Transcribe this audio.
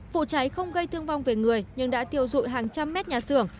vụ cháy không gây thương vong về người nhưng đã tiêu dụi hàng trăm mét nhà xưởng